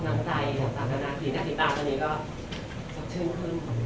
อย่างไรก็ชื่นมาดี